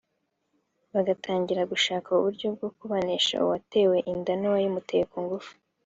bagatangira gushaka uburyo bwo kubanisha uwatewe inda n’uwayimuteye ku ngufu